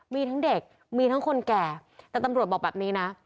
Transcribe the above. มีทั้งเด็กมีทั้งคนแก่แต่ตำรวจบอกแบบนี้นะ